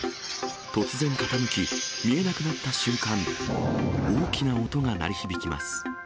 突然傾き、見えなくなった瞬間、大きな音が鳴り響きます。